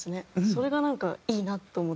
それがなんかいいなと思って。